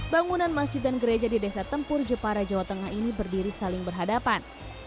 bangunan masjid dan gereja di desa tempur jepara jawa tengah ini berdiri saling berhadapan